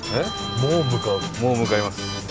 もう向かいます。